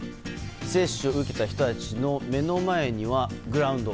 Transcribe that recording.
接種を受けた人たちの目の前にはグラウンド。